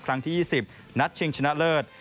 ครั้งที่๒๐นัดชิงชนะเลิศ